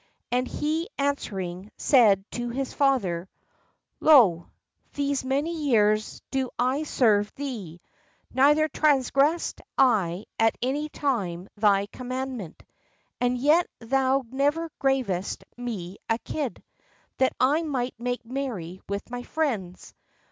And he answering said to his father: "Lo, these many years do I serve thee, neither transgressed I at any time thy commandment ; and yet thou never gavest me a kid, that I might make merry 84 with my friends.